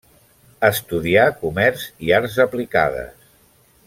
Estudià comerç i arts aplicades.